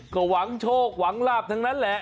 ก็หวังโชคหวังลาบทั้งนั้นแหละ